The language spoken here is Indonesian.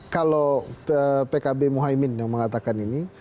kalau pkb mohaimin yang mengatakan ini